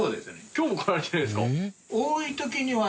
今日も来られてるんですか？